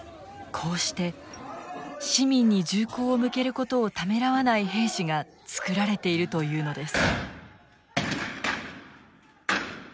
こうして市民に銃口を向けることをためらわない兵士が作られているというのです。